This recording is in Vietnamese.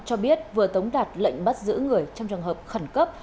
cho biết vừa tống đạt lệnh bắt giữ người trong trường hợp khẩn cấp